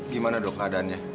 gimana dok keadaannya